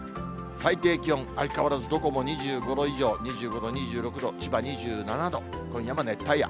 最低気温、相変わらずどこも２５度以上、２５度、２６度、千葉２７度、今夜も熱帯夜。